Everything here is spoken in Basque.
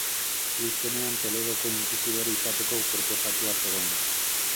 Hil zenean Toledoko inkisidore izateko proposatua zegoen.